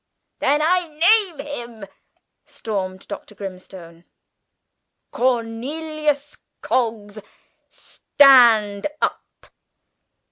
"Then I name him!" stormed Dr. Grimstone; "Cornelius Coggs stand up!"